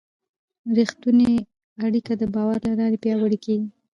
رښتونې اړیکه د باور له لارې پیاوړې کېږي.